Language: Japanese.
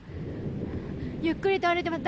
ゆっくりと歩いています。